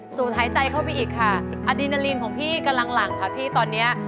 หายใจเข้าไปอีกค่ะอดีนาลีนของพี่กำลังหลังค่ะพี่ตอนเนี้ย